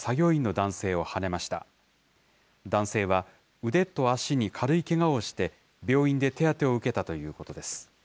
男性は腕と足に軽いけがをして、病院で手当てを受けたということです。